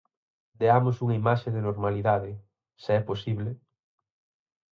Deamos unha imaxe de normalidade, se é posible.